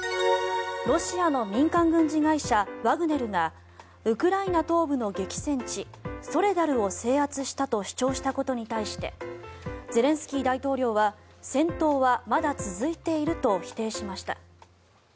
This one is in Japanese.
ロシアの民間軍事会社ワグネルがウクライナ東部の激戦地ソレダルを制圧したと主張したことに対してゼレンスキー大統領は戦闘はまだ続いていると否定しました。